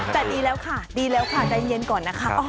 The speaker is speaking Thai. แต่ดีแล้วค่ะดีแล้วค่ะใจเย็นก่อนนะคะ